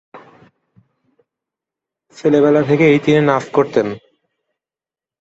ছেলেবেলা থেকেই তিনি নাচ করতেন।